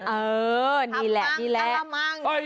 เออนี่แหละนี่แหละ